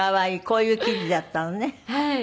こういう生地だったのね